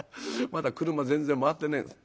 まだ俥全然回ってねえんです」。